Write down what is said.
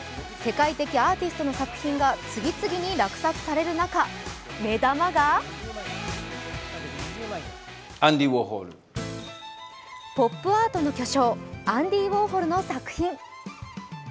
世界的アーティストの作品が次々に落札される中、目玉がポップアートの巨匠、アンディ・ウォーホルの作品。